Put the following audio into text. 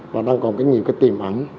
và đang còn nhiều cái tiềm ẩn